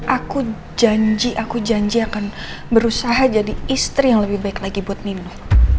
aku janji aku janji akan berusaha jadi istri yang lebih baik lagi buat nino